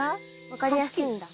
分かりやすいんだ。